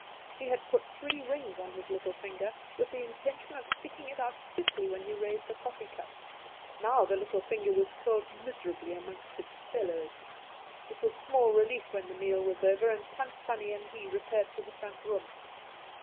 He had put three rings on his little finger, with the intention of sticking it out stiffly when he raised a coffee cup; now the little finger was curled miserably among its fellows. It was small relief when the meal was over, and Tant Sannie and he repaired to the front room.